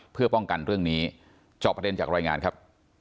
เพื่อป้องกันเรื่องนี้จอบประเด็นจากรายงานครับ